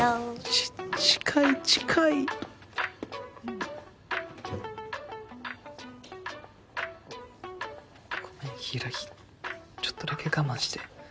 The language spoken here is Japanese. ち近い近いごめん柊ちょっとだけ我慢して。